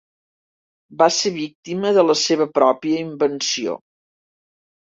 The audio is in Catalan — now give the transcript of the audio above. Va ser víctima de la seva pròpia invenció.